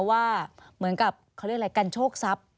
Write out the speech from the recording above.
ว่าเหมือนกับเขาเรียกอะไรกันโชคทรัพย์